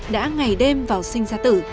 đã ngày đêm vào sinh ra tử